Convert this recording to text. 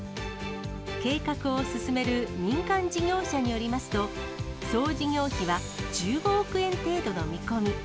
計画を進める民間事業者によりますと、総事業費は１５億円程度の見込み。